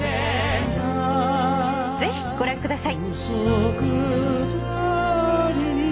ぜひご覧ください。